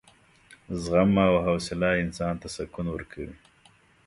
زغم او حوصله انسان ته سکون ورکوي.